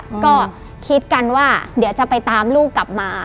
แล้วก็คิดกันว่าเดี๋ยวจะไปตามลูกกลับมา